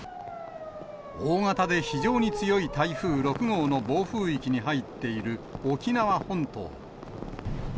大型で非常に強い台風６号の暴風域に入っている沖縄本島。